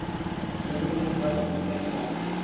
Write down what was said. میری قمیض پر گندگی کا ایک نشان ہے